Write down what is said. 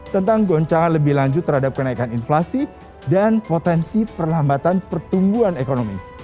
tentang goncangan lebih lanjut terhadap kenaikan inflasi dan potensi perlambatan pertumbuhan ekonomi